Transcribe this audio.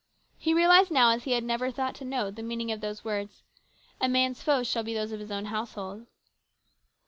He realised now, as he never had thought to know, the meaning of those words, " A man's foes shall be those of his own household."